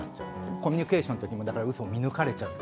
コミュニケーションではうそを見抜かれちゃう